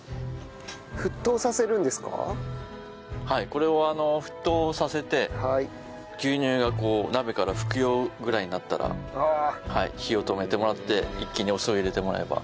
これを沸騰させて牛乳がこう鍋から噴くよぐらいになったら火を止めてもらって一気にお酢を入れてもらえば。